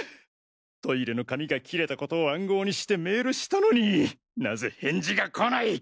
トイレの紙が切れたことを暗号にしてメールしたのになぜ返事が来ない！？